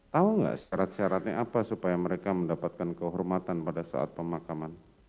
tahu nggak syarat syaratnya apa supaya mereka mendapatkan kehormatan pada saat pemakaman